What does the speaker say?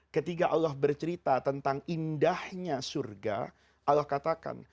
ketika allah bercerita tentang indahnya surga allah katakan